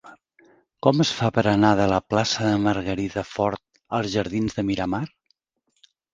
Com es fa per anar de la plaça de Margarida Fort als jardins de Miramar?